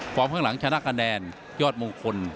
ข้างหลังชนะคะแนนยอดมงคล